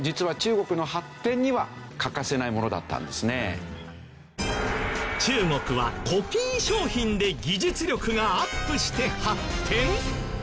そんな中国はコピー商品で技術力がアップして発展？